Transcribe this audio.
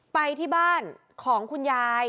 ไปที่บ้านของคุณยาย